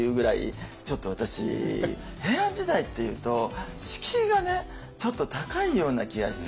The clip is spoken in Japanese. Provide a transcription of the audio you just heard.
ちょっと私平安時代っていうと敷居がねちょっと高いような気がして。